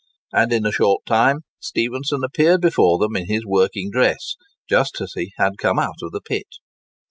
And in a short time Stephenson appeared before them in his working dress, just as he had come out of the pit.